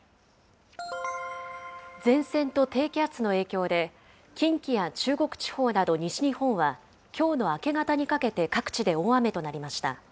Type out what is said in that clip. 前線と低気圧の影響で、近畿や中国地方など西日本は、きょうの明け方にかけて各地で大雨となりました。